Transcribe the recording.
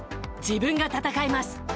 自分が戦います。